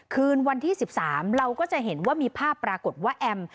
คืนวันที่๑๓เราก็จะเห็นว่ามีภาพปรากฏว่าแอม